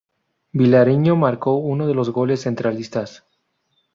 Vilariño marcó uno de los goles centralistas.